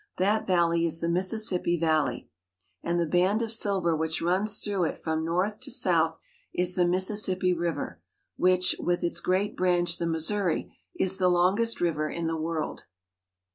That valley is the Mississippi 14 THE UNITED STATES. Valley, and the band of silver which runs through it from north to south is the Mississippi River, which, with its great branch the Missouri, is the longest river in the world.